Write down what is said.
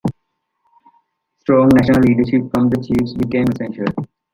Strong national leadership from the Chiefs became essential.